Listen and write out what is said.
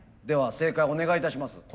では正解お願いいたします。